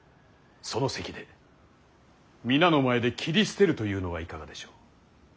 その席で皆の前で斬り捨てるというのはいかがでしょう。